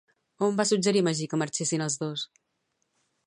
On va suggerir Magí que marxessin els dos?